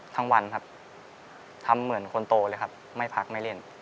วันครับทำเหมือนคนโตเลยครับไม่พักไม่เล่น